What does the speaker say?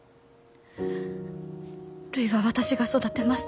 るいは私が育てます。